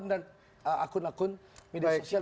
dan akun akun media sosial